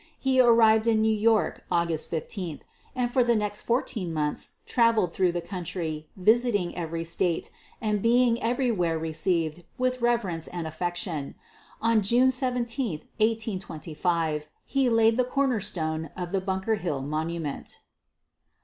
He arrived in New York August 15, and for the next fourteen months travelled through the country, visiting every state, and being everywhere received with reverence and affection. On June 17, 1825, he laid the corner stone of the Bunker Hill Monument.